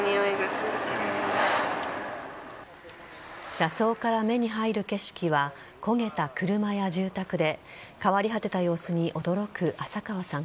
車窓から目に入る景色は焦げた車や住宅で変わり果てた様子に驚く浅川さん